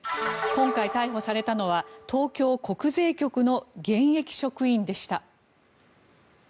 今回逮捕されたのは東京国税局の現役職員でした。